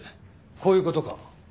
こういうことか。